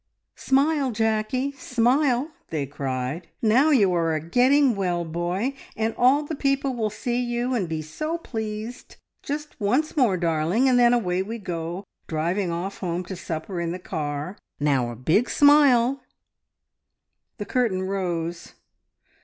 "Smile, Jackey, smile!" they cried. "Now you are a getting well boy, and all the people will see you, and be so pleased! Just once more, darling, and then away we go, driving off home to supper in the car. Now a big smile!" The curtain rose.